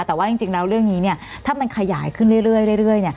แต่ว่าจริงแล้วเรื่องนี้ถ้ามันขยายขึ้นเรื่อย